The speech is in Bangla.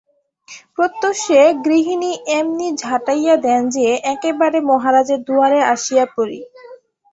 প্রত্যুষে গৃহিণী এমনি ঝাঁটাইয়া দেন যে, একেবারে মহারাজের দুয়ারে আসিয়া পড়ি।